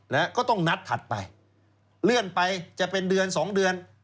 แล้วก็ต้องนัดถัดไปเลื่อนไปจะเป็นเดือนสองเดือน